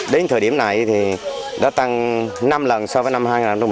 đến thời điểm này thì đã tăng năm lần so với năm hai nghìn một mươi